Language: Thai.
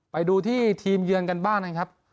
ไปดูที่ทีมเยือนกันบ้างนะครับ